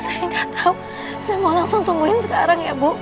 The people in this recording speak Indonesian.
saya nggak tahu saya mau langsung temuin sekarang ya bu